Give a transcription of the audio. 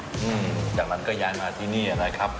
หลังจากนั้นก็ย้ายมาที่นี่นะครับ